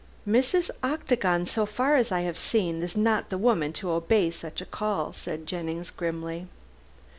"Mrs. Octagon, so far as I have seen, is not the woman to obey such a call," said Jennings grimly.